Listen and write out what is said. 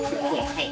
はい。